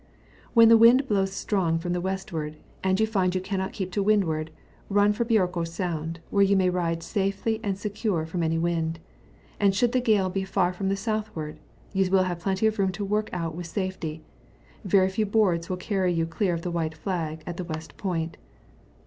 When the wind blows strong from the westward, and you find you cannot keep to windward, run for Biorko Sound, where you may ride safely and secure from any wind ; and should the gale be far from the southward, you will have plenty of room to work out with safety : very few boards will carry you clear of the wnite nag at the west point.